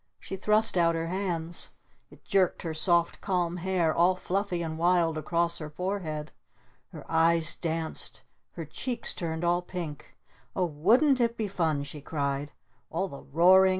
She thrust out her hands. It jerked her soft, calm hair all fluffy and wild across her forehead. Her eyes danced! Her cheeks turned all pink! "Oh wouldn't it be fun?" she cried. "All the roaring!